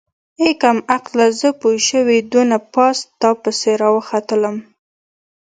ای کمقله زه پوشوې دونه پاس تاپسې راوختلمه.